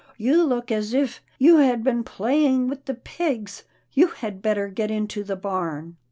You look as if • you had been playing with the pigs. You had bet ter get into the barn."